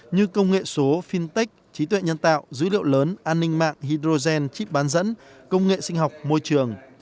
như công nghệ số fintech trí tuệ nhân tạo dữ liệu lớn an ninh mạng hydrogen chip bán dẫn công nghệ sinh học môi trường